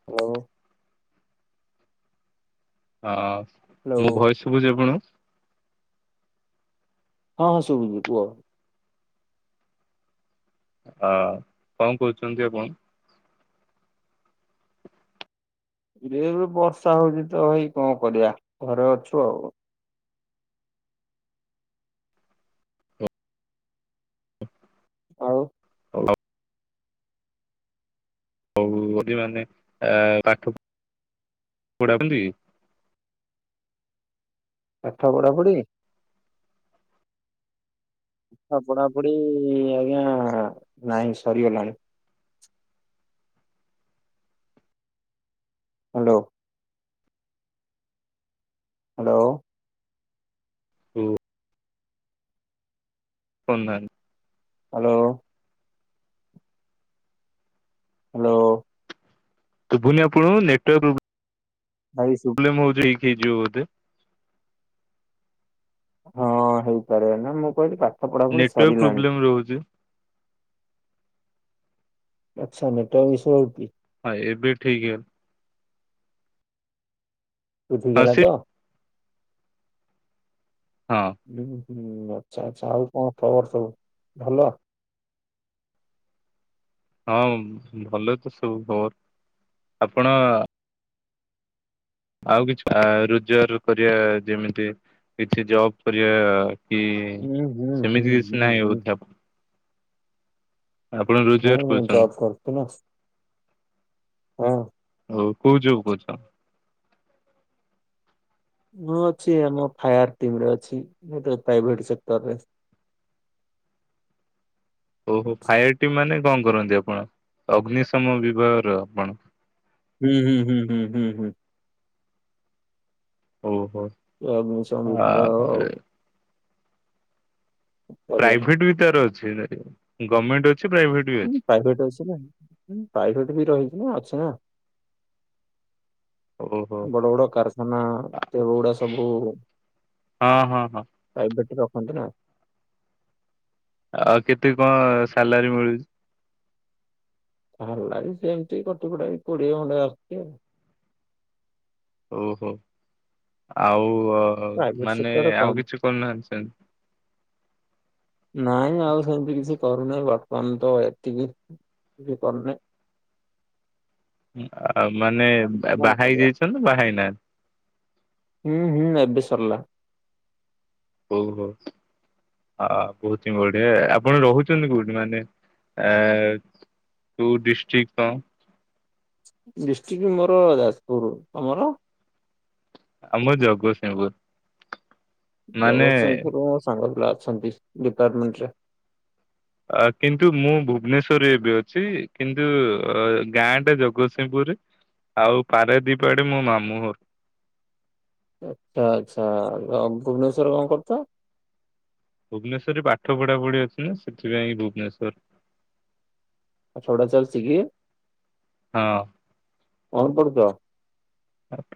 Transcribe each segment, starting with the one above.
[unintelligible] ହଁ ହ୍ୟାଲୋ ମୋ ଭଏସ୍ ଶୁଭୁଚି ଆପଣଙ୍କୁ? ହଁ-ହଁ ଶୁଭୁଚି କୁହ। ଅ କଣ କହୁଛନ୍ତି ଆପଣ? ଇରେ ଏବେ ବର୍ଷା ହଉଚି ତ ଭାଇ କଣ କରିଆ ଘରେ ଅଛୁ ଆଉ। ଆଉ [inaudible] [inaudible] ପାଠ ପଢାପଢି। ପାଠ ପଢାପଢି ଆଜ୍ଞା ନାହିଁ ସରିଗଲାଣି। ହାଲୋ। ହାଲୋ। ଓ ଅନାନି ହାଲୋ। ହାଲୋ। ଶୁଭୁନି ଆପଣଙ୍କୁ ନେଟୱାର୍କ ପ୍ରୋବ ଭାଇ ଶୁ ପ୍ରୋବଲେମ୍ ହଉଚି ଉଇକ ହେଇଯିବ ବୋଧେ? ହଁ ହେଇପାରେ, ନାଇଁ ମୁଁ କହିଲି ପାଠ ପଢାପଢି ସରିଲାଣି। ରହୁଚି। ଆଚ୍ଛା ନେଟୱାର୍କ ଇଶୁ ରହୁଚି। ହଁ ଏବେ ଠିକ୍ ହେଲା। ଏବେ ଠିକ୍ ହଁ ହେଲା ସେ ତ? ହଁ। ହୁଁ-ହୁଁ ଆଚ୍ଛା-ଆଚ୍ଛା ଆଉ କଣ ଖବର୍ ସବୁ ଭଲ? ହଁ ଭଲ ତ ସବୁ ଖବର୍ ଆପଣ ଆଉ କିଛି ରୋଜଗାର କରିବା, ଯେମିତି କିଛି ଜବ୍ କରିବା କି ହୁଁ ହୁଁ ହୁଁ ସେମିତି କିଛି ହୁଁ ନାହିଁ ହୁଁ [unintelligible] ଆପଣ ରୋଜଗାର ହଁ କରୁଚନ୍ତି? ଜବ୍ କରୁଛୁ ନା ହଁ। ଆଉ କୋଉ ଜବ୍ କରୁଚ? ମୁଁ ଅଛି ଆମ ଫାୟାର ଟିମରେ ଅଛି, ଗୋଟେ ପ୍ରାଇଭେଟ୍ ସେକ୍ଟରରେ। ଓହୋ ଫାୟାର ଟିମ୍ ମାନେ କଣ କରନ୍ତି ଆପଣ ଅଗ୍ନିଶମ ବିଭାଗର ଆପଣ? ହୁଁ-ହୁଁ-ହୁଁ-ହୁଁ-ହୁଁ-ହୁଁ। ଓହୋ। ଆ [inaudible] କରିବା ପ୍ରାଇଭେଟ ବି ତାର ଅଛି, ଗମେଣ୍ଟ ଅଛି ପ୍ରାଇଭେଟ୍ ହୁଁ ପ୍ରାଇଭେଟ ଅଛି ନା ପ୍ରାଇଭେଟ୍ ବି ରହିଚି ନା ଅଛି ନା। ଓହୋ ହଁ ବଡ ବଡ କାରଖାନା ଏଗୁଡା ସବୁ ହଁ ହଁ ହଁ। ପ୍ରାଇଭେଟରେ ରଖନ୍ତି ନାଁ ଆଉ କେତେ କଣ ସାଲାରୀ ମିଳୁଛି? ସାଲାରୀ ସେମିତି କଟି କଟା କୋଡିଏ ଖଣ୍ଡେ ଆସୁଛି ଆଉ ଓହୋ ଆଉ ପ୍ରାଇଭେଟ ମାନେ ସେକ୍ଟରରେ କମ ଆଉ କିଛି କରୁନାହାନ୍ତି ସେମ ନାଇଁ ଆଉ ସେମିତି କିଛି କରୁନାହିଁ, ବର୍ତ୍ତମାନ ତ ଏତିକି କିଛି କରୁନି ଆଉ ମାନେ କଣ ବାହା କରିବା ହେଇଯାଇଛନ୍ତି ନା ବାହାହେଇନାହାନ୍ତି? ହୁଁ ହୁଁ ଏବେ ସରିଲା। ଓହୋ। ହଁ ବହୁତି ବଢିଆ ଆପଣ ରହୁଛନ୍ତି କୋଉଠି ମାନେ ଏ କୋଉ ଡିଷ୍ଟ୍ରି କ? ଡିଷ୍ଟ୍ରିକ୍ଟ ମୋର ଯାଜପୁର, ତମର? ଆମର ଜଗସିିଂପୁର। ଜଗତସିଂହପୁର ମୋ ସାଙ୍ଗ ପିଲା ଅଛନ୍ତି, ଡିପାର୍ଟମେଣ୍ଟରେ ଅ କିନ୍ତୁ ମୁଁ ଭୁବନେଶ୍ଵରରେ ଏବେ ଅଛି କିନ୍ତୁ ଅ ଗାଁ ଟା ଜଗତସିଂହପୁରରେ ଆଉ ପାରଦୀପ ଆଡେ ମୋ ମାମୁଁ ହର ଆ ଆଚ୍ଛା ଭୁବନେଶ୍ଵରରେ କଣ କରୁଚ୍ଛ? ଭୁବନେଶ୍ୱର୍ ରେ ପାଠ ପଢା ପଢି ଅଛି ନା ସେଥିପାଇଁ ଭୁବନେଶ୍ଵର। ପାଠ ପଢ଼ା ଚାଲିଛି କି ହଁ। କଣ ପଢୁଚ?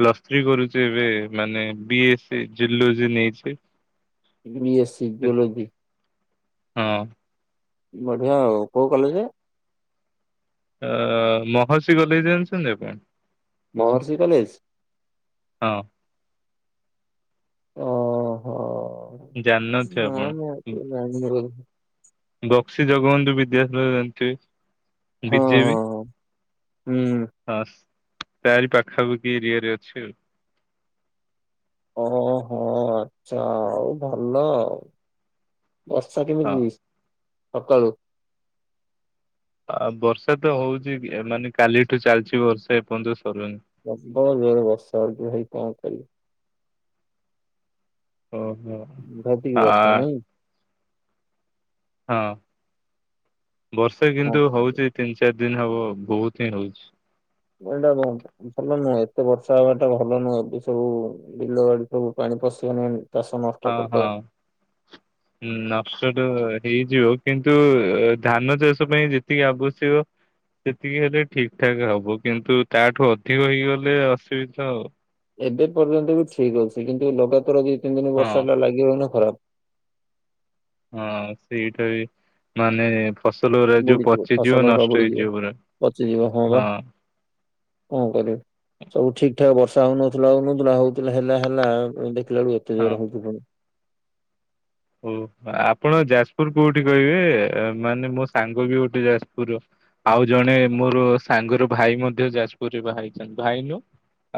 ପ୍ଲସ୍ ଥ୍ରୀ କରୁଛି ଏବେ ମାନେ ବି ଏସ ସି ଜୁଲୋଜି ନେଇଛି। BA C geology. ହଁ। ବଢିଆ ଆଉ କୋଉ କଲେଜ? ଅ ମହର୍ଷି କଲେଜ୍ ଜାଣିଛନ୍ତି ଆପଣ? ମହର୍ଷି କଲେଜ। ହଁ। ଓହୋ ଜାଣିନଥିବେ ନା ଆପଣ। ମୁଁ ଏତେ ଜାଣିନି ବକ୍ସି ଜଗବନ୍ଧୁ ବିଦ୍ୟାଧରେ ଜାଣିଥିବେ? ବି ହଁ ଜେ ହଁ ବି। ହଁ ହୁଁ ହଁ ତାରି ପାଖାପାଖି ଏରିଆ ରେ ଅଛି ଆଉ। ଓହୋ ଆଚ୍ଛା ଆଉ ଭଲ ଆଉ। ବର୍ଷା ହଁ। କେମିତି ସକାଳୁ? ଆ ବର୍ଷା ତ ହଉଛି ମାନେ କାଲିଠୁ ଚାଲିଛି ବର୍ଷା ଏପର୍ଯ୍ୟନ୍ତ ସରୁନି। ପ୍ରବଳ ଜୋରେ ବର୍ଷ ହଉଛି ଭାଇ କଣ କରିବି? ଓ ହୋ। ସାଂଘାତିକ ବର୍ଷା ନାଇ ହଁ ବର୍ଷା କଣ କିନ୍ତୁ କରିବି? ହଉଛି, ତିନି ଚାରି ଦିନ ହବ ବହୁତ ହିଁ ହଉଛି। ଗଣ୍ଡା ବମ୍ ଭଲ ନୁହଁ ଏତେ ବର୍ଷା ହବା ଟା ଭଲ ନୁହେଁ। ଏବେ ସବୁ ବିଲ ବାଡି ସବୁ ପାଣି ପଶିବନି ଏମିତି ହଁ ହଁ। ହଁ ନଷ୍ଟ ତ ହେଇଯିବ, କିନ୍ତୁ ଧାନ ଚାଷ ପାଇଁ ଯେତିକି ଆବଶ୍ୟକ ସେତିକି ହେଲେ ଠିକଠାକ୍ ହବ। କିନ୍ତୁ ତାଠୁ ଅଧିକ ହେଇଗଲେ ଅସୁବିଧା ଆଉ। ଏବେ ପର୍ଯ୍ୟନ୍ତ ବି ଠିକ୍ ଅଛି। କିନ୍ତୁ ଲଗାତାର ଦି ତିନି ଦିନ ହଁ ବର୍ଷା ଟା ଲାଗି ରହିନେ ଖରାପ। ହଁ ସେଇଟା ବି ମାନେ ଫସଲ ପୁରା ଯୋଉ ବୁଡିଯିବ ପଚିଯିବ ଫସଲ ଗୁରା ନଷ୍ଟ ବୁଡିଯିବ ହେଇଯିବ ପୁରା ପଚିଯିବ ବା ହଁ। କଣ କରିବୁ। ସବୁ ଠିକ ଠାକ ବର୍ଷା ହଉନଥିଲା ହଉ ନଥିଲା। ହଉଥିଲା ହେଲା ହେଲା ଦେଖିଲ ବେଳୁ ଏତେ ହଁ। ଜୋର ହଉଛି ପୁଣି। ଓ ଆପଣ ଯାଜପୁର କୋଉଠି କହିବେ, ମାନେ ମୋ ସାଙ୍ଗ ବି ଗୋଟେ ଯାଜପୁର ର। ଆଉ ଜଣେ ମୋର ସାଙ୍ଗର ଭାଇ ମଧ୍ୟ ଯାଜପୁରରେ ବାହା ହେଇଛନ୍ତି ଭାଇ ନୁହଁ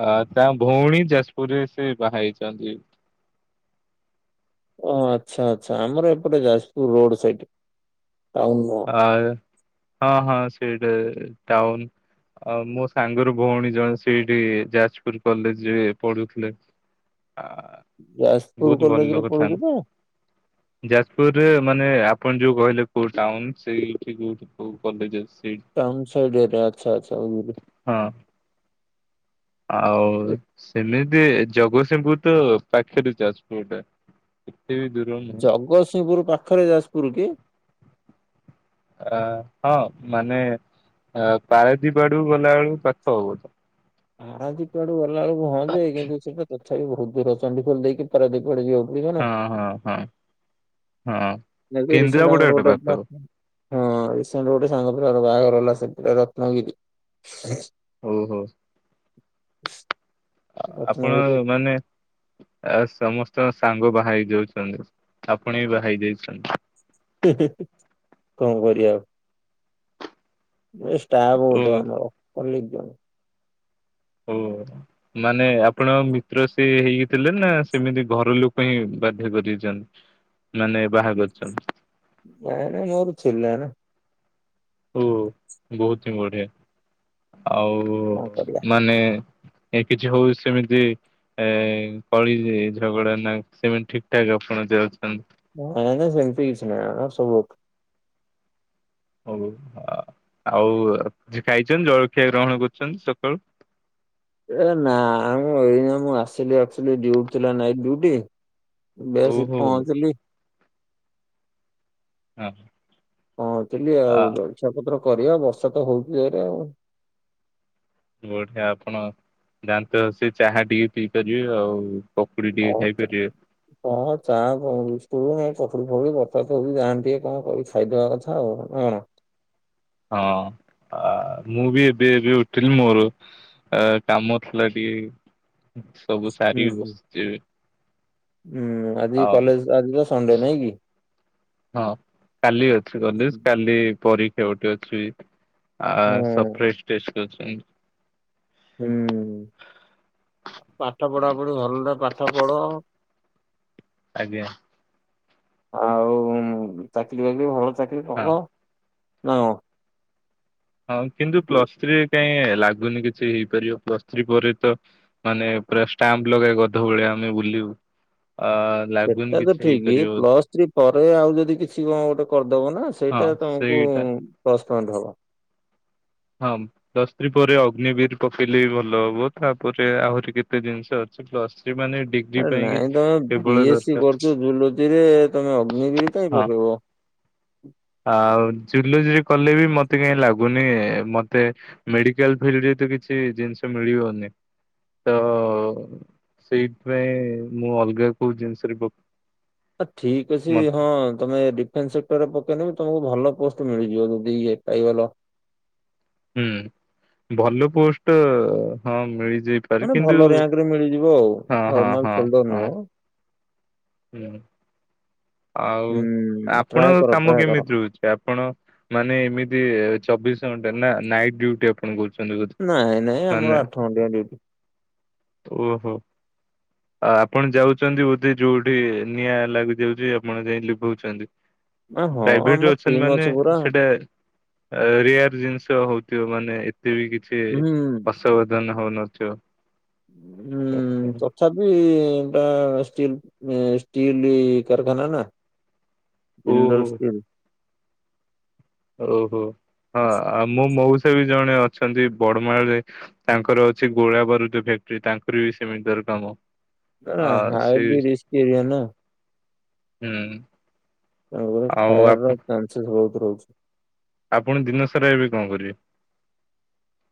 ଅ ତା ଭଉଣୀ ଯାଜପୁର ରେ ସେ ବାହାହେଇଛନ୍ତି। ହଁ ଆଚ୍ଛା ଆଚ୍ଛା ଆମର ଏପଟ ଯାଜପୁର ରୋଡ ସାଇଟ୍ ଟାଉନ୍ ନୁହଁ। ଆ ହଁ ହଁ ସେ ଟାଉନ। ଆଉ ମୋ ସାଙ୍ଗର ଭଉଣୀ ଜଣେ ସେଇଠି ଯାଜପୁର କଲେଜ ରେ ପଢୁଥିଲେ। ଆ। ଯାଜପୁର ବହୁତ ଭଲ କଲେଜ ରେ ଲୋକ ଥାନ୍ତି। ପଢୁଛି ନା। ଯାଜପୁରରେ ମାନେ ଆପଣ ଯୋଉ କହିଲେ କୋଉ ଟାଉନ। ସେଇଠି କୋଉଠି କୋଉ କଲେଜ ସେଇଠି। ଟାଉନ୍ ସାଇଡରେ ଆଛା ଆଛା ବୁଝିଲି। ହଁ। ଆଉ ଏ ସେମିତି ଜଗତସିଂହପୁର ତ ପାଖରେ ଯାଜପୁର ଟା। ଜଗତସିଂହପୁର ପାଖରେ ଯାଜପୁର କି? ଅ ହଁ ମାନେ ଆ ପାରଦୀପ ଆଡକୁ ଗଲାବେଳୁକୁ ପାଖ ହବ ତ। ପାରାଦୀପାଡୁ ଗଲା ବେଳକୁ ହଁଯେ କିନ୍ତୁ ସେଇଟା ତଥାପି ବହୁତ୍ ଦୂର! ଚଣ୍ଡିଖୋଲ ଦେଇକି ପାରଦୀପା ଆଡେ ଯିବାକୁ ପଡିବ ନା। ହଁ ହଁ ହଁ ହଁ। ନାଇ ଯେ ରିସେଣ୍ଟ କେନ୍ଦ୍ରାପଡା ଆମର ଆଡେ ଗୋଟେ ପାଖ ବା ହଁ ରିସେଣ୍ଟ ଗୋଟେ ସାଙ୍ଗ ପିଲାର ବାହାଘର ହେଲା ସେପଟେ ରତ୍ନଗିରି। ଓହୋ। [inaudible] ଆପଣ ରତ୍ନଗିରିରେ ମାନେ ଆଉ ସମସ୍ତଙ୍କ ସାଙ୍ଗ ବାହା ହେଇ ଯାଉଛନ୍ତି ଆପଣ ବି ବାହାଇ ଯାଇଛନ୍ତି କଣ କରିବା ଆଉ ଏ ଷ୍ଟାଫ ଓ ଗୋଟେ ଆମର ଅଲଲିକ ଜଣ ହୁଁ ମାନେ ଆପଣ ମିତ୍ର ସେି ହେଇକିଥିଲେ ନା ସେମିତି ଘର ଲୋକ ହିଁ ବାଧ୍ୟ କରିେଇଛନ୍ତି ମାନେ ଭନ ଜୋରଛିଥିଲା ନା [inaudible] ଓ ବହୁତ ହିଁ ବଢିଆ ଆଉ କଣ କରିବା। ମାନେ ଏ କିଛି ହଉ ସେମିତି ଏ କଳି ଝଗଡ଼ା ନା ସେମାନେ ଠିକ ଠାକ ଆପଣ ଯାଉଛନ୍ତି ନାାଇଁ ନାାଇଁ ସେମିତି କିଛି ନାାଇଁ ଆ ସବୁ ଓଉ ଆଉ କି ଖାଇଛନ୍ତି ଜଳଖିଆ ଗ୍ରହଣ କରୁଛନ୍ତି ସକାଳୁ ଏ ନା ଆ ମୁଁ ଏଇନା ମୁଁ ଆସିଲି ଡ଼ିଉଟି ଥିଲା ନାଇଟ୍ ଡିଉଟି। ଏବେ ଆସି ଓହୋ। ପହଞ୍ଚଲିି ହଁ ହ ହଁ କି ଆଉ ଇଛା ପତ୍ର କରିବା ବର୍ଷା ତ ହଉଛି ଏରେ ଆଉ ବଢିଆ ଆପଣ ଯାନ୍ତେ ସେ ଚାହା ଟିକେ ପିଇ କରିବେ ଆଉ ପକୁଡି ଟିକେ ହଉ ଚା ଖାଇପାରିବେ ହଁ ଚା କ ବିକୁଲାଇଁ ପଖୁ ଫକୁ ବର୍ି ଯାନ୍ତି ଟିକେ କଣ କି ଖାଇଦବା କଥା ଆଉ କଣ ହଁ ଆ ମୁଁ ବି ଏବେ ଏବେ ଉଠିଲି ମୋର ଅ କାମ ଥିଲା ଟିକେ ସବୁ ହୁଁ ସାରିକି ହୁଁ। ବସିଛିିବେ ହୁଁ ଆଜି କଲେଜ ଆଜି ତ ସଣ୍ଡେ ନାଇଁ କି ହଁ କାଲି ଅଛି କାଲିଅଛି କଲେଜ କାଲି ପରୀ ସେଟେ ଅଛି ଆ ସବ ହଁ ଫ୍ର ଟେଛନ୍ତି ହୁଁ ପାଠ ପଢା ପଢି ଭଲ ପାଠ ପଢ ଆଜ୍ଞା ଆଉ ଚାକିରି ବାକିରି ଭଲ ଚାକିରରି ହଁ କଣ ନା ହଁ କିନ୍ତୁ ପ୍ଲସ୍ ଥ୍ରୀରେ କାଇହିଁ ଲାଗୁନି କିଛି ହେଇପାରିବ ପ୍ଲସ୍ ଥ୍ରୀ ପରେ ତ ମାନେ ପୁରା ଷ୍ଟାମ୍ପ ଲଗେଇ ଗଧ ଭଳିଆ ଆମେ ବୁଲିବୁ ଆ ଲାଗୁନି ସେଟା ତ କିଛି ଠିକ ହେଇପାରିବ ବୋଧେ। ପ୍ଲସ ଥ୍ରୀ ପରେ ଆଉ ଯଦି କିଛି କଣ ଗୋଟେ କରିଦବ ନା ହଁ ସେଇଟା ତମକୁ ସେଇଟା ପ୍ଲସ୍ ପଏଣ୍ଟ ହବ। ହଁ ଦଶ୍ରୀ ପରେ ଅଗ୍ନି ବିଡ଼ି ପକେଇଲେ ଭଲ ହବ ତାପରେ ଆହୁରି କେତେ ଜିନିଷ ଅଛି। ପ୍ଲସ ଥ୍ରି ମାନେଡି ଆରେ ନାଇଁ ତମେ ବି ଏ ସି କରୁଛ ଜଝୁଲଚି ରେ ତମେ ଅଗ୍ନ ବିିରି କାଇଁ ହଁ ପକେଇବ? ଆଉ ଝୁଲଝୁରି କଲେ ବି ମତେ କାହିଁ ଲାଗୁନି ମତେ? ମେଡିକାଲ ଫିଲ୍ଡ ରେ ତ କିଛି ଜିନିଷ ମିଳିବନି। ତ ସେଇଥିପାଇଁ ମୁଁ ଅଲଗା କୋଉ ଜିନିଷରେ ପକେଇ ଆ ଠିକ ଅଛି ହଁ ତମେ ଇନ୍ ସେକ୍ଟରରେ ପକେଇଲେ ବି ତମକୁ ଭଲ ପୋଷ୍ଟ ମିଳିଯିବ ଯିଦି ଇଏ ପାଇଗଲ। ହୁଁ ଭଲ ପୋଷ୍ଟ ହଁ ମିଳିଯାଇ ମାନେ କିନ୍ତୁ ଭଲ ର୍ୟାଙ୍କରେ ମିଳିଯିବ ଆଉ ହଁ ହଁ ନର୍ମାଲ ହଁ ସୋଲଡର ହଁ। ନୁହଁ। ହୁଁ ଆଉ ହୁଁ ଟ୍ରାଏ ଆପଣଙ୍କ କର କାମ ଟ୍ରାଏ କର କେମିତି ରହୁଛି। ଆପଣ ମାନେ ଏମିତି ଚବିଶ ଘଣ୍ଟା ନା ନାଇଟ୍ ଡୁଟି ନାଇଁ ନାଇଁ ଆମର ଆଠ ଘଣ୍ଟିଆ [unintelligible] ଡ୍ୟୁଟି। ଓହୋ। ଆପଣ ଯାଉଛନ୍ତି ବୋଧେ ଯୋଉଠି ନିଆଁ ଲାଗିଯାଉଛି ଆପଣ ଯାଇ ଲିଭଉଛନ୍ତି। ଆ ହଁ ପ୍ରାଇଭେଟ ଆମ ରେ ଅଛନ୍ତି ଟିମ୍ ମାନେ ଅଛି ପୁରା ହୁଁ। ସେଟା ଏରିୟାର ଜିନିଷ ହଉଥିବ ମାନେ ଏତେ ବି କିଛି ଅସାବଧାନ ହଉନଥିବ। ହ ହୁଁ ହୁ। ତଥାପି ତା ଷ୍ଟିଲ୍ ଷ୍ଟିଲ କାରଖାନା ନା। ଜିନ୍ଦଲ ଓହୋ ଷ୍ଟିଲ। ଓହୋ ହଁ ଆଉ ମୁଁ ମଉସା ବି ଜଣେ ଅଛନ୍ତି ବଡମାଳରେ। ତାଙ୍କର ଅଛି ଗୋଳା ବାରୁଦ ଫ୍ୟାକ୍ଟ୍ରି ତାଙ୍କର ବି ସେମିଣ୍ଟ ଦ୍ୱାରା କାମ। ଅ ସେ ହାଇଟ ରିସ୍କ ଏରିଆ ନା। ହୁଁ। ତେଣୁ କରି ଆଉ ଫାୟାର୍ ଆପଣ ର ଚାନ୍ସେସ୍ ବହୁତ ରହୁଛି। ଆପଣ ଦିନସାରା ଏବେ କଣ କରିବେ?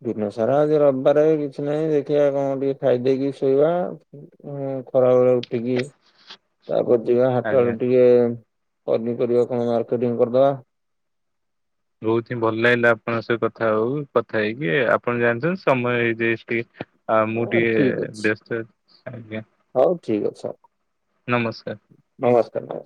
ଦିନ ସାରା ଆଜି ରବବାରେ କିଛି ନାହିଁ, ଦେଖିଆ କଣ ଟିକେ ଖାଇଦେଇକି ଶୋଇବା ଆଉ। [inaudible] ଉଁ ଖରା ବେଳେ ଉଠିକି ତାପରେ ଯିବା ଆଜ୍ଞା। ହାଟଆଡୁ ଟିକେ ପନିପରିବା କଣ ମାର୍କେଟିଂ କରିଦବା। ବହୁତ ହିଁ ଭଲ ଲାଗିଲା ଆପଣଙ୍କ ସହି କଥା ହଉ କଥା ହେଇକି ଆପଣ ଜାଣିଛନ୍ତି ସମୟ ହେଇଯାଇ ଆ ମୁଁ ହଁ ଟଏ ଠିକ ଅଛି ବ୍ୟସ୍ତ ଆଜ୍ଞା। ହଉ ଠିକ ଅଛି ହଉ ନମସ୍କାର। ନମସ୍କାର ନମସ୍କାର।